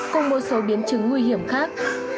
cùng một số biến chứng nguy hiểm khác